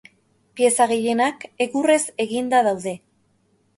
Pieza gehienak egurrez eginda daude.